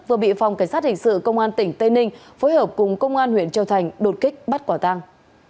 vừa bị phòng cảnh sát hình sự công an tỉnh tây ninh phối hợp cùng công an huyện châu thành đột kích bắt quả tăng